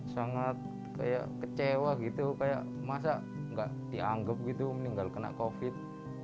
sangat kayak kecewa gitu kayak masa nggak dianggap gitu meninggal kena covid